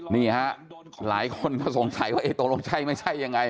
นี่ฮะหลายคนก็สงสัยว่าตกลงใช่ไม่ใช่ยังไง